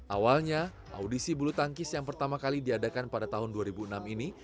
awalnya audisi bulu tangkis yang pertama kali diadakan pada tahun dua ribu enam ini